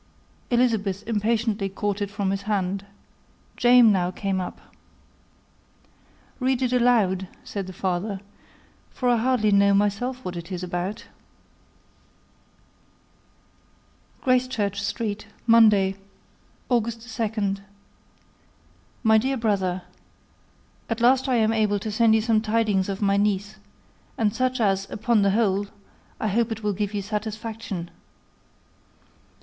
Elizabeth impatiently caught it from his hand. Jane now came up. "Read it aloud," said their father, "for I hardly know myself what it is about." /* RIGHT "Gracechurch Street, Monday, August 2. */ "My dear Brother, "At last I am able to send you some tidings of my niece, and such as, upon the whole, I hope will give you satisfaction.